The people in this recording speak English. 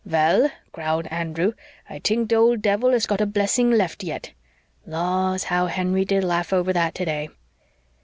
'Vell,' growled Andrew, 'I t'ink de old devil has got a blessing left yet.' Laws, how Henry did laugh over that today!"